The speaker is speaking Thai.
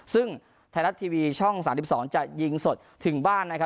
ซึ่งไทยรัฐทีวีช่อง๓๒จะยิงสดถึงบ้านนะครับ